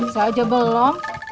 saya aja belum